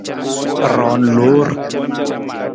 Roon loor.